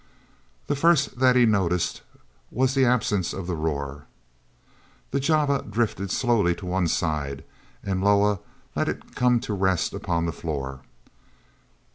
The first that he noticed was the absence of the roar. The jana drifted slowly to one side, and Loah let it come to rest upon the floor.